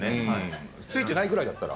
ついてないぐらいだったら。